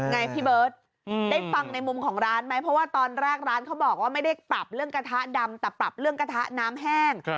ไงพี่เบิร์ตได้ฟังในมุมของร้านไหมเพราะว่าตอนแรกร้านเขาบอกว่าไม่ได้ปรับเรื่องกระทะดำแต่ปรับเรื่องกระทะน้ำแห้ง